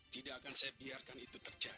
tidak akan saya biarkan itu terjadi